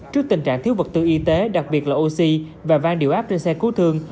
trước tình trạng thiếu vật tư y tế đặc biệt là oxy và van điều áp trên xe cứu thương